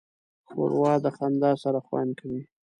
ښوروا د خندا سره خوند کوي.